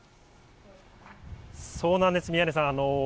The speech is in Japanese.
そうなんです、宮根さん。